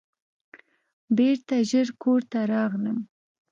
بیرته ژر کور ته راغلم.